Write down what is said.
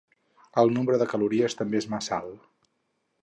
El nombre de calories també és massa alt.